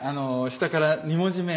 下から２文字目。